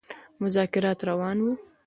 مذاکرات روان وه.